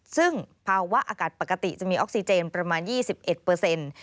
ซึ่งภาวะอากาศปกติจะมีออกซิเจนประมาณ๒๑เปอร์เซ็นต์